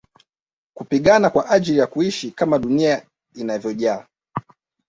Kupigana kwa ajili ya kuishi kama dunia inavyojaa